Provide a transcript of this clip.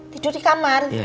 tidur di kamar